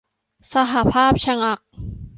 สหภาพชะงัก